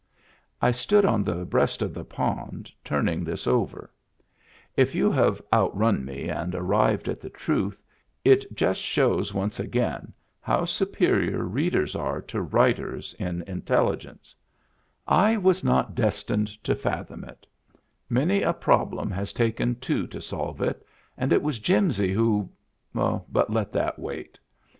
I stood on the breast of the pond, turning this over. If you have outrun me and arrived at the Digitized by Google THE DRAKE WHO HAD MEANS OF HIS OWN 303 truth, it just shows once again how superior read ers are to writers in intelligence. I was not des tined to fathom it. Many a problem has taken two to solve it and it was Jimsy who — but let that wait.